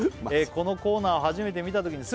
「このコーナーを初めて見たときに」